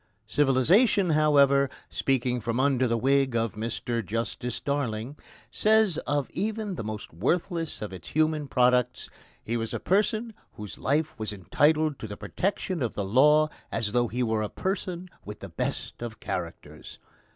Civilisation however, speaking from under the wig of Mr Justice Darling, says of even the most worthless of its human products: "He was a person whose life was entitled to the protection of the law as though he were a person with the best of characters."